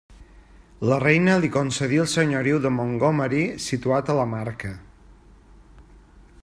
La reina li concedí el senyoriu de Montgomery, situat a la Marca.